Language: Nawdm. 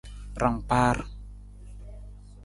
Rangkpaar.